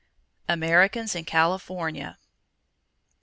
_Americans in California.